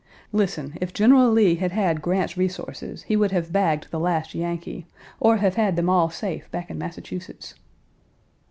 Listen: if General Lee had had Grant's resources he would have bagged the last Yankee, or have had them all safe back in Massachusetts.